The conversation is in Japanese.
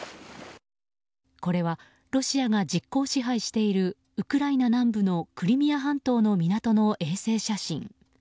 これはロシアが実効支配しているウクライナ南部のクリミア半島の港の衛星写真。